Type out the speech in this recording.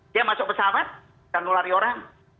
dia masuk pesawat dan nulari orang